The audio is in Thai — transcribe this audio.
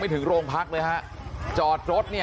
เฮ้ยเฮ้ยเฮ้ยเฮ้ยเฮ้ยเฮ้ยเฮ้ยเฮ้ย